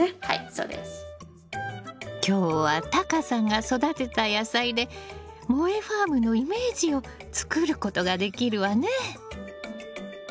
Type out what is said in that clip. はいそうです。今日はタカさんが育てた野菜でもえファームのイメージを作ることができるわね。